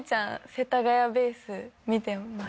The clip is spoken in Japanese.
世田谷ベース見てます